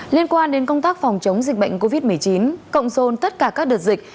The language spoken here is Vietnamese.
liên quan đến công tác phòng chống dịch bệnh covid một mươi chín cộng dồn tất cả các đợt dịch